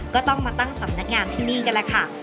ก็ต้องมาตั้งสำนักงานที่นี่กันแหละค่ะ